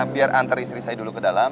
biar antar istri saya dulu ke dalam